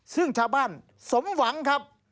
ซึ่งชาวบ้านสมหวังครับ